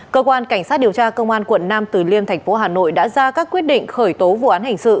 cơ quan cảnh sát điều tra công an quận nam từ liêm thành phố hà nội đã ra các quyết định khởi tố vụ án hình sự